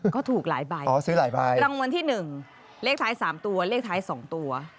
ก็ถูกหลายใบรางวัลที่๑เลขท้าย๓ตัวเลขท้าย๒ตัวนะครับ